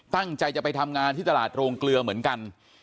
ตั้งใจจะไปทำงานที่ตลาดโรงเกลือเหมือนกัน